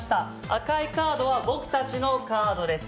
赤いカードは僕たちのカードです。